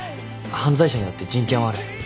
犯罪者にだって人権はある。